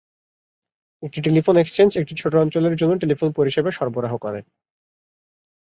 একটি telephone exchange একটি ছোট অঞ্চলের জন্য টেলিফোন পরিষেবা সরবরাহ করে।